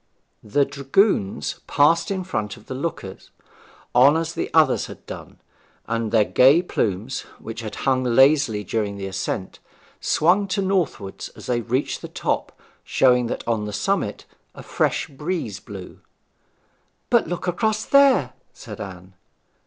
The dragoons passed in front of the lookers on as the others had done, and their gay plumes, which had hung lazily during the ascent, swung to northward as they reached the top, showing that on the summit a fresh breeze blew. 'But look across there,' said Anne.